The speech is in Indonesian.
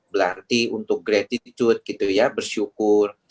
berarti untuk gratitude gitu ya bersyukur